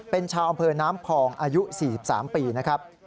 เป็นชาวอำเภอน้ำพองอายุ๔๓ปีนะครับ